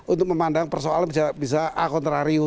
untuk memandang persoalan bisa a contrario